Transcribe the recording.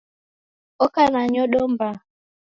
Oka na nyodo mbaha.